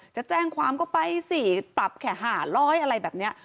จะแจ้งความก็ไปสิปรับแข่หาล้อยอะไรแบบเนี่ย